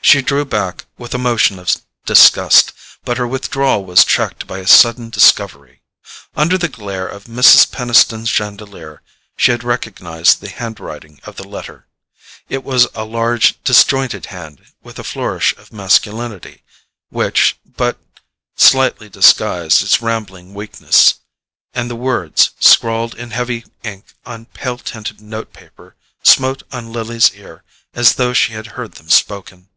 She drew back with a motion of disgust, but her withdrawal was checked by a sudden discovery: under the glare of Mrs. Peniston's chandelier she had recognized the hand writing of the letter. It was a large disjointed hand, with a flourish of masculinity which but slightly disguised its rambling weakness, and the words, scrawled in heavy ink on pale tinted notepaper, smote on Lily's ear as though she had heard them spoken.